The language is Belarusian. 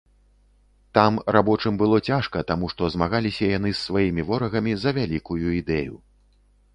Там рабочым было цяжка, таму што змагаліся яны з сваімі ворагамі за вялікую ідэю.